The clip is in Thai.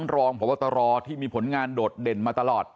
รองพบตรที่มีผลงานโดดเด่นมาตลอด